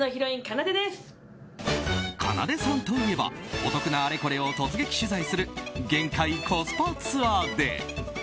かなでさんといえばお得なあれこれを突撃取材する限界コスパツアーで。